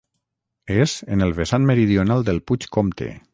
És en el vessant meridional del Puig Comte.